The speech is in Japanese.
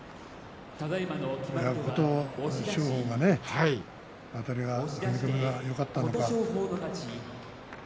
琴勝峰があたりがよかったのか。